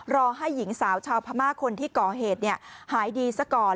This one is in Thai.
รอให้หญิงสาวชาวพม่าคนที่ก่อเหตุหายดีซะก่อน